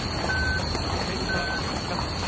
アメリカ、続きます。